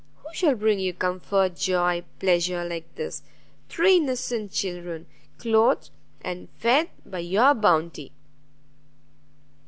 who shall bring you comfort, joy, pleasure, like this? three innocent children, clothed and fed by your bounty!"